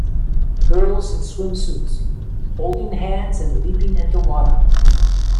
Girls in swimsuits, holding hands and leaping into water.